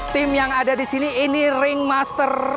tim yang ada di sini ini ringmaster